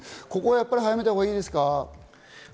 ここは早めたほうがいいですか？